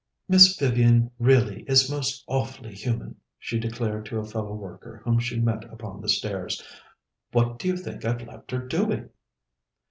"Miss Vivian really is most awfully human," she declared to a fellow worker whom she met upon the stairs. "What do you think I've left her doing?"